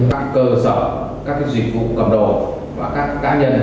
các cơ sở các dịch vụ cầm đồ và các cá nhân